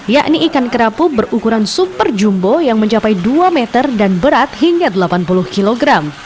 yakni ikan kerapu berukuran super jumbo yang mencapai dua meter dan berat hingga delapan puluh kg